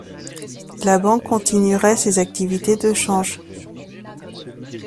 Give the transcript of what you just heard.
La banque continuerait ses activités de change.